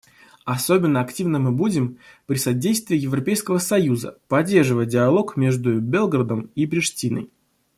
Особенно активно мы будем, при содействии Европейского союза, поддерживать диалог между Белградом и Приштиной.